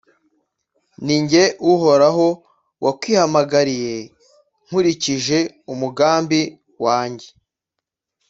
Ni jye Uhoraho, wakwihamagariye, nkurikije umugambi wanjye,